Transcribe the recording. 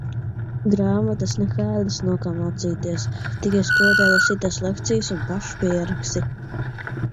Grāmatas nekādas no kā mācīties, tikai skolotāju lasītās lekcijas un pašu pieraksti.